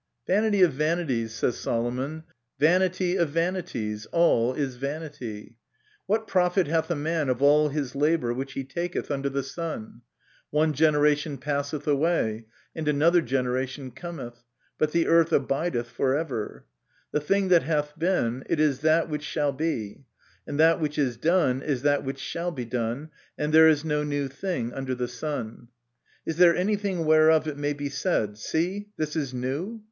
"Vanity of vanities," says Solomon, "vanity of vanities, all is vanity. What profit hath a man of all his labour which he taketh under the sun ? One generation passeth away, and another generation cometh : but the earth abideth forever. ... The thing that hath been, it is that which shall be ; and that which is done is that which shall be done : and there is no new thing under the sun. Is there anything whereof it may be said, See, this is new